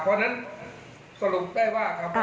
เพราะฉะนั้นสรุปได้ว่าครับ